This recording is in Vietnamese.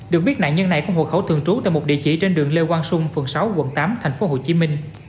được biết nạn nhân này có hồ khẩu thường trú tại một địa chỉ trên đường lê quang xuân phường sáu quận tám tp hcm